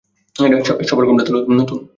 সবার ঘোমটা তোলো, তুমি নতুন?